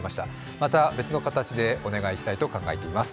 また別の形でお願いしたいと考えています。